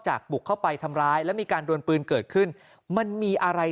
บุกเข้าไปทำร้ายแล้วมีการดวนปืนเกิดขึ้นมันมีอะไร